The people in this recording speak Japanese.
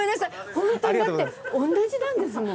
本当にだって同じなんですもん！